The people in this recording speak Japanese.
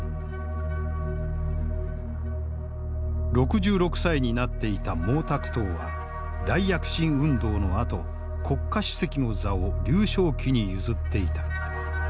６６歳になっていた毛沢東は大躍進運動のあと国家主席の座を劉少奇に譲っていた。